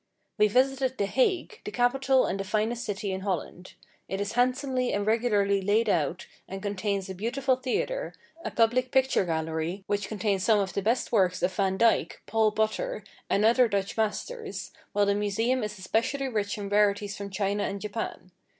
We visited the Hague, the capital and the finest city in Holland. It is handsomely and regularly laid out, and contains a beautiful theatre, a public picture gallery, which contains some of the best works of Vandyke, Paul Potter, and other Dutch masters, while the museum is especially rich in rarities from China and Japan.